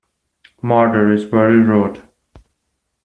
Murder is very rude.